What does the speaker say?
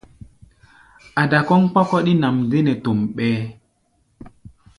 Ada kɔ́ʼm kpɔ́kɔ́ɗí nʼam dé nɛ tom ɓɛɛ́.